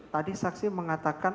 tadi saksi mengatakan